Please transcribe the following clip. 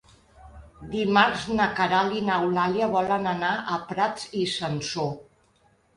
Dimarts na Queralt i n'Eulàlia volen anar a Prats i Sansor.